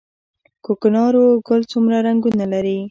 کوکنارو ګل څومره رنګونه لري؟